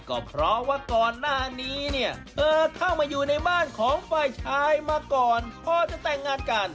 ก็เพราะว่าก่อนหน้านี้เนี่ยเธอเข้ามาอยู่ในบ้านของฝ่ายชายมาก่อนพอจะแต่งงานกัน